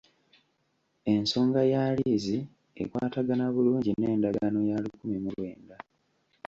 Ensonga ya liizi ekwatagana bulungi n'endagaano ya lukumi mu lwenda.